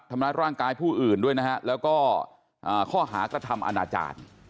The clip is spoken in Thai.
ธรรมดาร่างกายผู้อื่นด้วยนะฮะแล้วก็ข้อหากฎธรรมอนาจารย์